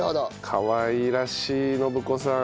かわいらしい伸子さん。